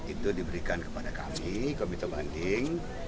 itu diberikan kepada kami komite banding